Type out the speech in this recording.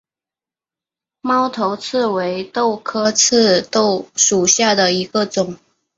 猫头刺为豆科棘豆属下的一个种。